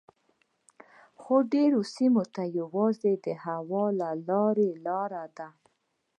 خو ډیری سیمو ته یوازې د هوا له لارې لاره وي